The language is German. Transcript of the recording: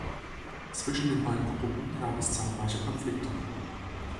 Zwischen beiden Gruppen gab es zahlreiche Konflikte.